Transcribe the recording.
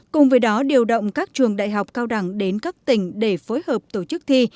cùng với đó điều động các trường đại học cao đẳng đến các tỉnh để phối hợp tổ chức thi